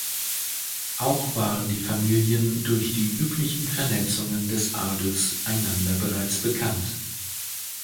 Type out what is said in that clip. Auch waren die Familien durch die üblichen Vernetzungen des Adels einander bereits bekannt.